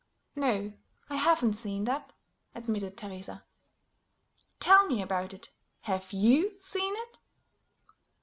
"No, I haven't seen that," admitted Teresa. "Tell me about it. Have you seen it?"